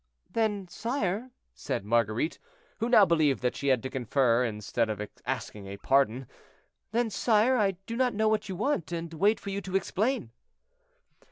"Then, sire," said Marguerite, who now believed that she had to confer instead of asking a pardon; "then, sire, I do not know what you want; and wait for you to explain."